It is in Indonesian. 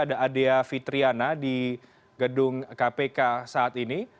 ada adea fitriana di gedung kpk saat ini